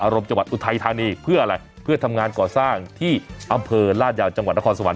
รมจังหวัดอุทัยธานีเพื่ออะไรเพื่อทำงานก่อสร้างที่อำเภอลาดยาวจังหวัดนครสวรร